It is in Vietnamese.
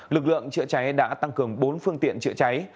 lực lượng chữa cháy đã tăng cường bốn phương tiện chữa cháy